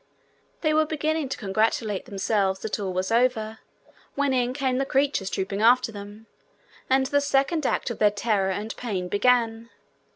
There they were beginning to congratulate themselves that all was over, when in came the creatures trooping after them, and the second act of their terror and pain began.